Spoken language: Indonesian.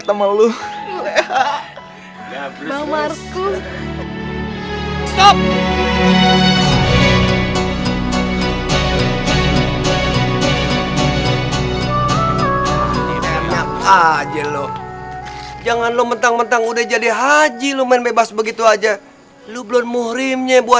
sampai jumpa di video selanjutnya